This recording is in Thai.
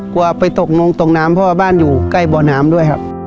ไปตกลงตกน้ำเพราะว่าบ้านอยู่ใกล้บ่อน้ำด้วยครับ